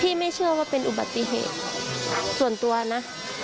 ไม่เชื่อว่าเป็นอุบัติเหตุส่วนตัวนะ